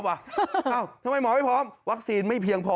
ทำไมหมอไม่พร้อมวัคซีนไม่เพียงพอ